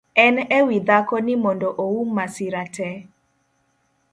En e wii dhako ni mondo oum masira tee